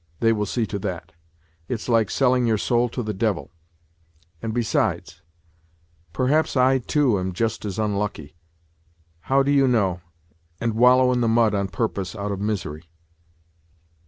They will see to that. It's like selling your soul to the devil. ... And besides ... perhaps I, too, am just as unlucky how do you know and wallow in the mud on purpose, out of misery